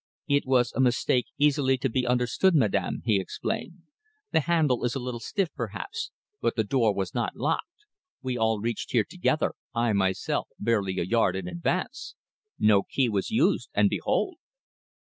"It was a mistake easily to be understood, madam," he explained. "The handle is a little stiff, perhaps, but the door was not locked. We all reached here together, I myself barely a yard in advance. No key was used and behold!"